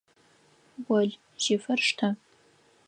Ол, жьыфыр штэ!